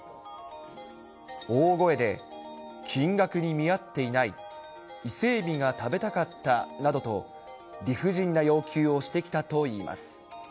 大声で、金額に見合っていない、伊勢エビが食べたかったなどと理不尽な要求をしてきたといいます。